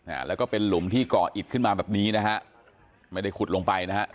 อ่าแล้วก็เป็นหลุมที่เกาะอิดขึ้นมาแบบนี้นะฮะไม่ได้ขุดลงไปนะฮะ